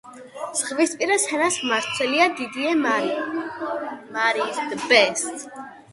ზღვისპირა სენას მმართველია დიდიე მარი.